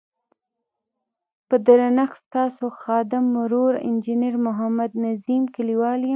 په درنښت ستاسو خادم ورور انجنیر محمد نظیم کلیوال یم.